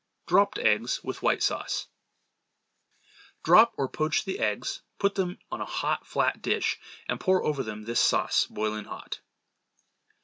Dropped Eggs with White Sauce. Drop or poach the eggs; put them on a hot, flat dish and pour over them this sauce boiling hot.